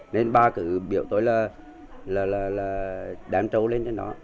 nên ba cứ biểu tối là đem trâu lên trên đó